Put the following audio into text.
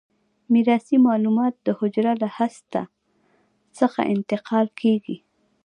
میراثي معلومات د حجره له هسته څخه انتقال کیږي.